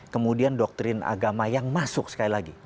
kemudian doktrin agama yang masuk sekali lagi